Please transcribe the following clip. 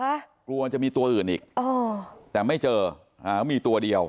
กลัวว่ามันจะมีตัวอื่นอีกแต่ไม่เจอมีตัวเดียว